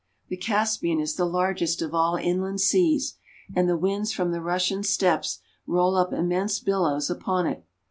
The Caspian is the largest of all inland seas, and the winds from the Russian steppes roll up immense billows upon it.